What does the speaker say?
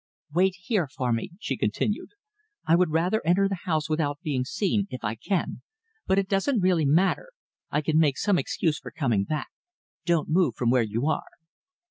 "Wait here for me," she continued. "I would rather enter the house without being seen, if I can, but it doesn't really matter. I can make some excuse for coming back. Don't move from where you are."